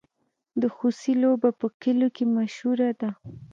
د خوسي لوبه په کلیو کې مشهوره ده.